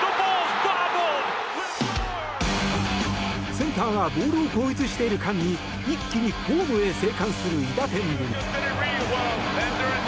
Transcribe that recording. センターがボールを後逸している間に一気にホームへ生還する韋駄天ぶり。